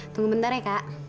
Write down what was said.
tunggu bentar ya kak